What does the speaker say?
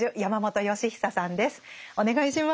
お願いします。